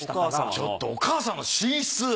ちょっとお母さんの寝室？